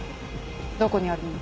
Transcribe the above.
どこにあるの？